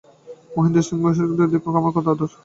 মহেন্দ্র সগর্বে ভাবিল, বিহারীটা দেখুক, আমার কত আদর।